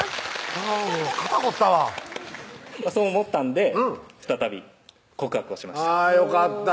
もう肩凝ったわそう思ったんで再び告白をしましたあぁよかった